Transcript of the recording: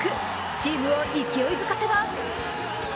チームを勢いづかせます。